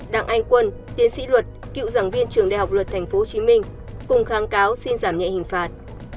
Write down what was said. đặng anh quân tiến sĩ luật cựu giảng viên trường đại học luật tp hcm cùng kháng cáo xin giảm nhẹ hình phạt